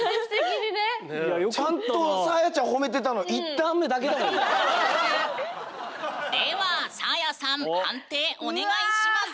ちゃんとサーヤちゃん褒めてたのではサーヤさん判定お願いします！